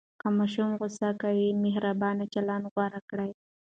که ماشوم غوصه کوي، مهربانه چلند غوره کړئ.